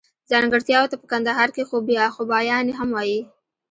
ځانګړتياوو ته په کندهار کښي خوباياني هم وايي.